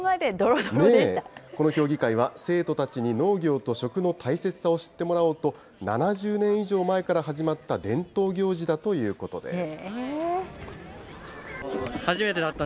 この競技会は、生徒たちに農業と食の大切さを知ってもらおうと、７０年以上前から始まった伝統行事だということです。